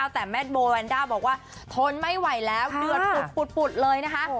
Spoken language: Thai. แต่แม่โบแวนด้าบอกว่าทนไม่ไหวแล้วเดือดปุดเลยนะคะ